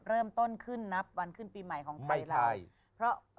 เริ่มต้นขึ้นนับวันขึ้นปีใหม่ของไทยแล้วไม่ใช่